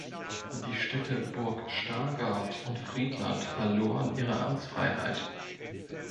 Die Städte Burg Stargard und Friedland verloren ihre Amtsfreiheit.